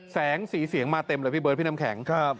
แสงสีเสียงมาเต็มเลยพี่เบิร์ดพี่น้ำแข็ง